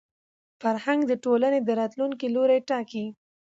فرهنګ د ټولني د راتلونکي لوری ټاکي.